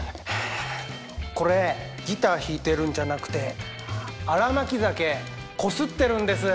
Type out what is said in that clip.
これギター弾いてるんじゃなくて新巻鮭こすってるんです。